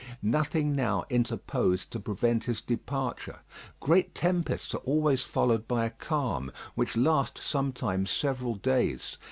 Nothing now interposed to prevent his departure. Great tempests are always followed by a calm, which lasts sometimes several days.